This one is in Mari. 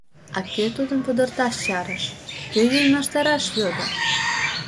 А кӧ тудым пудырташ чарыш, кӧ йӧнештараш йодо?